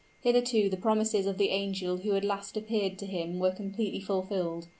Hitherto the promises of the angel who had last appeared to him were completely fulfilled.